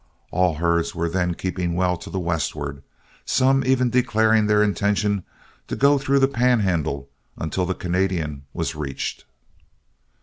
All herds were then keeping well to the westward, some even declaring their intention to go through the Panhandle until the Canadian was reached.